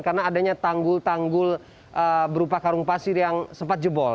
karena adanya tanggul tanggul berupa karung pasir yang sempat jebol